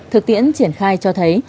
thực tiễn triển khai cho thấy